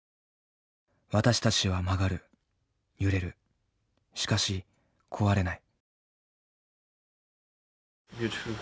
私たちは曲がる揺れるしかし壊れない。